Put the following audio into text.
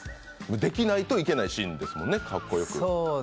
できないといけないシーンですもんね、かっこよく。